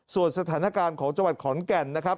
ส่วนสถานการณ์ของจังหวัดขอนแก่นนะครับ